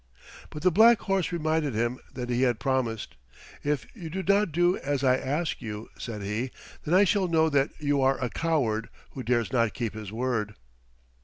But the black horse reminded him that he had promised. "If you do not do as I ask you," said he, "then I shall know that you are a coward who dares not keep his word."